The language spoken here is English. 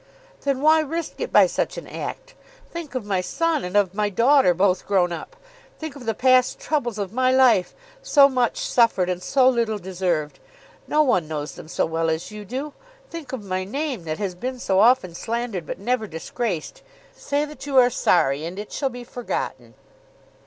"Then why risk it by such an act? Think of my son and of my daughter, both grown up. Think of the past troubles of my life; so much suffered and so little deserved. No one knows them so well as you do. Think of my name, that has been so often slandered but never disgraced! Say that you are sorry, and it shall be forgotten."